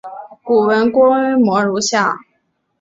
古坟规模如下。